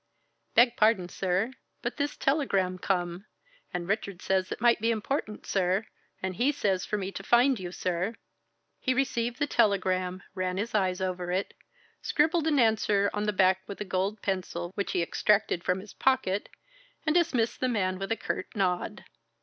"Beg pardon, sir, but this telegram come, and Richard says it might be important, sir, and he says for me to find you, sir." He received the telegram, ran his eyes over it, scribbled an answer on the back with a gold pencil which he extracted from his pocket, and dismissed the man with a curt nod.